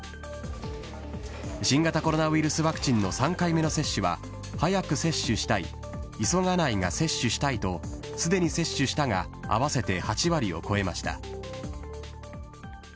新型コロナウイルスワクチンの３回目の接種は、早く接種したい、急がないが接種したいと、すでに接種したが合わせて８割を超えました。